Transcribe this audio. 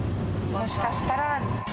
もしかしたら。